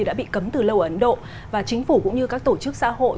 đã bị cấm từ lâu ở ấn độ và chính phủ cũng như các tổ chức xã hội